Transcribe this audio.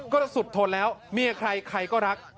ก็สุดทนแล้วเมียใครใครก็รัก